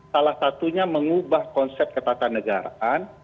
salah satunya mengubah konsep ketatanegaraan